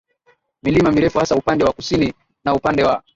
milima mirefu hasa upande wa kusini na upande wa